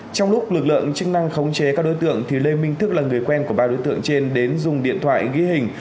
trong lúc lực lượng chức năng khống chế các đối tượng lê minh thức là người quen của ba đối tượng trên đến dùng điện thoại ghi hình